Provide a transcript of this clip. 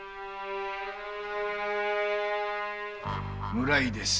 村井です。